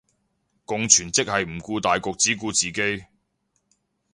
共存即係不顧大局只顧自己